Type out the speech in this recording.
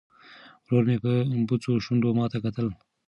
ورور مې په بوڅو شونډو ماته کتل.